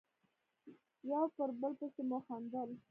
یو پر بل پسې مو خندل.